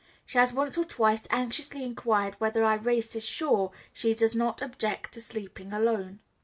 She has once or twice anxiously inquired whether Irais is sure she does not object to sleeping alone.